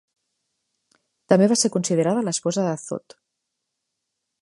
També va ser considerada l'esposa de Thoth.